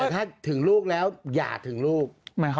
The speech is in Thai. แต่ถึงลูกอย่าถึงลูก